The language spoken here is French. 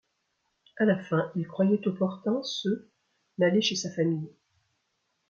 À la fin il croyait opportun se n'aller chez sa famille.